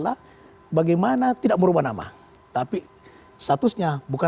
nah jadi itu makanya harinya ada ketat tunjiran warangan solusi di p jungkook kan